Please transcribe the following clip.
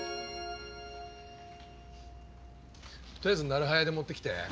とりあえずなる早で持ってきて。